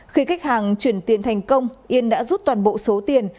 khi khách hàng chuyển tiền thành công yên đã rút toàn bộ số tiền